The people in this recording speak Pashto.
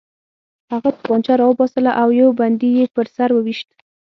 هغه توپانچه راوباسله او یو بندي یې په سر وویشت